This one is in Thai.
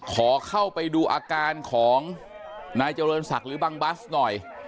ขอเข้าไปดูอาการของนายเจริญศักดิ์หรือบังบัสหน่อย